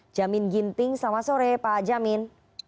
jamin ginting selamat sore pak jamin